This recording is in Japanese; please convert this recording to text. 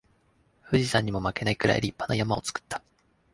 富士山にも負けないくらい立派な山を作った